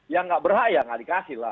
yang nggak berhak ya nggak dikasih lah